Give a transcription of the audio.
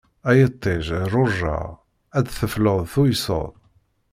Ay iṭij rujaɣ, ad d-teffleḍ tuyseḍ.